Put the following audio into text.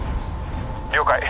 了解。